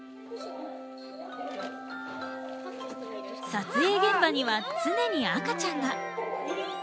撮影現場には常に赤ちゃんが。